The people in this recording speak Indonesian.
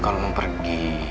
kalau mau pergi